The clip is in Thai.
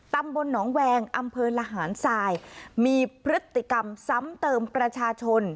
ตำบลหนองแวงอำเภอละหารทรายมีพฤติกรรมซ้ำเติมประชาชน